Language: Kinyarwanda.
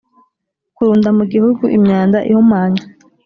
Kurunda mu Gihugu imyanda ihumanya